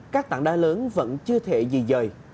các tạng đá lớn vẫn chưa thể dì dời